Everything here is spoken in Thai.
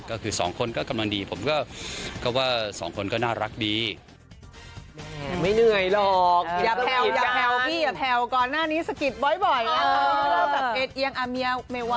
ก็คือสองคนก็กำลังดีผมก็ว่าสองคนก็น่ารักดี